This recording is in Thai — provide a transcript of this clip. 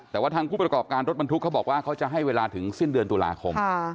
แต่ว่าทางผู้ประกอบการรถบรรทุกเขาบอกว่าเขาจะให้เวลาถึงสิ้นเดือนตุลาคม